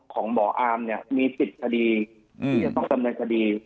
ของบ่ออาร์มเนี้ยมีสิทธิ์คดีอืมที่จะต้องเติมในคดี